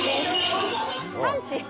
産地。